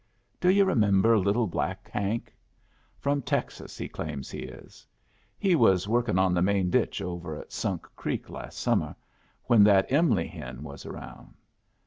Do yu' remember little black Hank? From Texas he claims he is. He was working on the main ditch over at Sunk Creek last summer when that Em'ly hen was around.